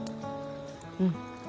うん。